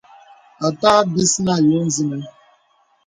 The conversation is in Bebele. Àtâ bis nə àyo zinə.